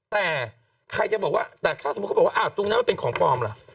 แต่ใครจะบอกว่าแต่ถ้าสมมุติเขาบอกว่าอ้าวตรงนั้นมันเป็นของปลอมล่ะ